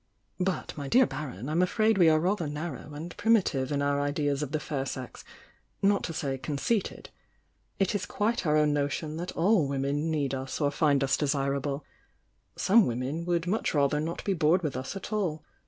"But, my dear Baron, I'm afraid we are rather narrow and primitive in our ideas of the fair sex— not to say conceited. It is quite our o.^Jl^notion that all women need us or find us de sirable. Some women would much rather not be bored with us at all.